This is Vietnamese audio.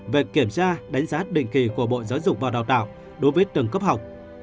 về kiểm tra đánh giá định kỳ của bộ giáo dục và đào tạo đối với từng cấp học